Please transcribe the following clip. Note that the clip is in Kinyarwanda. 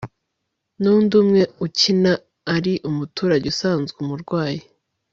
n'undi umwe ukina ari umuturage usanzwe umurwayi